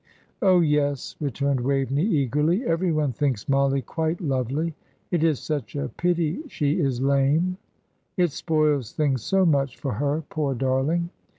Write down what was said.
"Oh, yes," returned Waveney, eagerly, "everyone thinks Mollie quite lovely. It is such a pity she is lame. It spoils things so much for her, poor darling!